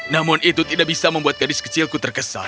namun itu tidak bisa membuat gadis kecilku terkesan